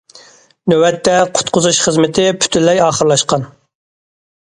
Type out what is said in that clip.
نۆۋەتتە، قۇتقۇزۇش خىزمىتى پۈتۈنلەي ئاخىرلاشقان.